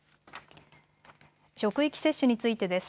職域接種についてです。